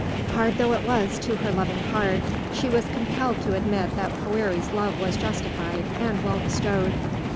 Hard though it was to her loving heart, she was compelled to admit that Poëri's love was justified and well bestowed.